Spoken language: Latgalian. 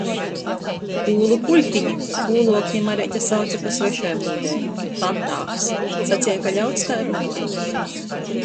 Ūlu kuļtini, ūluokni Mareite sauce pa svešai mūdei - pantāgs. Saceja, ka ļauds tai runoj.